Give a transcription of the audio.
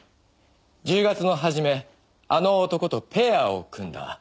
１０月の始めあの男とペアを組んだ」